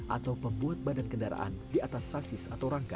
atau pembuat badan kendaraan di atas sasis atau rangka